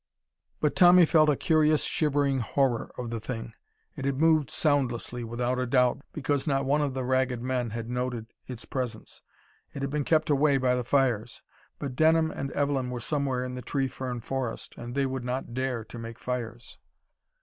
But Tommy felt a curious shivering horror of the thing. It had moved soundlessly, without a doubt, because not one of the Ragged Men had noted its presence. It had been kept away by the fires. But Denham and Evelyn were somewhere in the tree fern forest, and they would not dare to make fires....